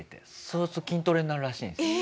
そうすると筋トレになるらしいんですよ。